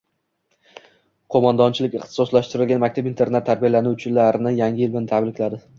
Qo‘mondonlik ixtisoslashtirilgan maktab-internat tarbiyalanuvchilarini Yangi yil bilan tabrikladi